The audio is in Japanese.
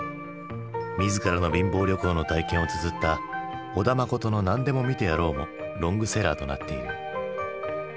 自らの貧乏旅行の体験をつづった小田実の「何でも見てやろう」もロングセラーとなっている。